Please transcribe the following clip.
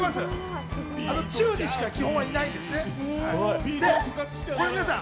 宙にしか基本いないんですね。